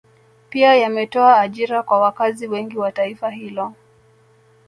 Pia yametoa ajira kwa wakazi wengi wa taifa hilo